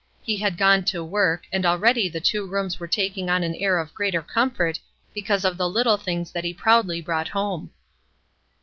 He had gone to work, and already the two rooms were taking on an air of greater comfort because of the little things that he proudly brought home.